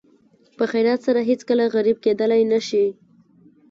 په خیرات سره هېڅکله غریب کېدلی نه شئ.